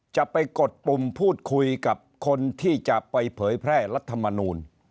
จะไปกดปุ่มพูดคุยกับคนที่จะไปเผยแพร่รัฐมนูล